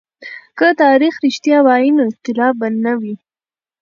که تاريخ رښتيا وای نو اختلاف به نه و.